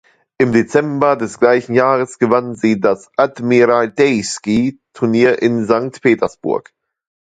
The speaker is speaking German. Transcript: Im Dezember des gleichen Jahres gewann sie das "Admiraltejskij-Turnier" in Sankt Petersburg.